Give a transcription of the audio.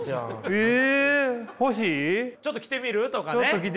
「ちょっと着てみる？」とかね。